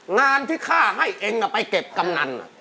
งานที่ข้าให้เอ็งน่ะไปเก็บกำหนัง